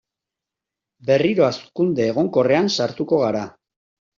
Berriro hazkunde egonkorrean sartuko gara.